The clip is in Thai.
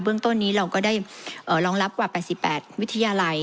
ต้นนี้เราก็ได้รองรับกว่า๘๘วิทยาลัย